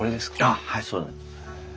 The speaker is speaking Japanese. あっはいそうなんです。